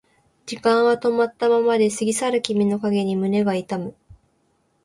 時間は止まったままで過ぎ去る君の影に胸が痛む